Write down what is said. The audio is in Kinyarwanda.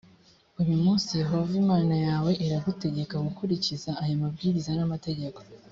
uyu munsi yehova imana yawe aragutegeka gukurikiza aya mabwiriza n’amategeko